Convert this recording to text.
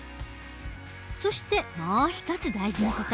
そしてもう一つ大事な事。